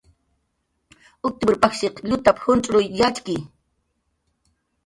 "Uctupr pajshin llutap"" juncx'ruy yatxki."